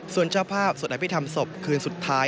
ส่วนเจ้าภาพสวดอภิษฐรรมศพคืนสุดท้าย